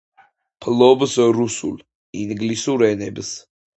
ფლობს რუსულ, ინგლისურ ენებს.